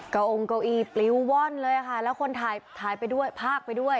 เกาองเกาอีปลิวว่อนเลยอ่ะค่ะแล้วคนถ่ายถ่ายไปด้วยภาคไปด้วย